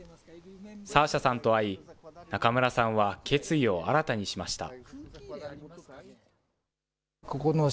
サーシャさんと会い、中村さんは決意を新たにしました。